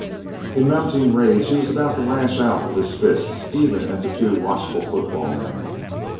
In mounting rage, he was about to lash out with his fists, even at the two watchful football men.